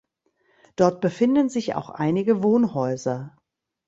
Dort befinden sich auch einige Wohnhäuser.